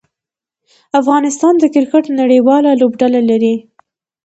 افغانستان د کرکټ نړۍواله لوبډله لري.